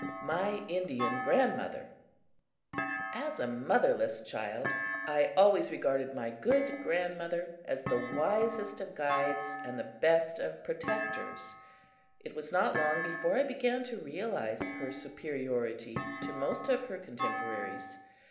My Indian Grandmother AS a motherless child, I always regarded my good grandmother as the wisest of guides and the best of protectors. It was not long before I began to realize her superiority to most of her contemporaries.